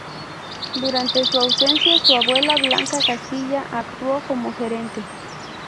Durante su ausencia, su abuela, Blanca de Castilla, actuó como regente.